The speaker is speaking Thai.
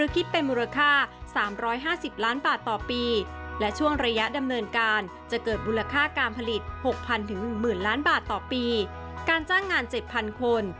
การจ้างงาน๗๐๐คน